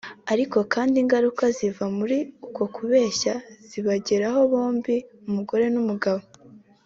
ariko kandi ingaruka ziva muri uko kubeshya zibageraho bombi umugore n’umugabo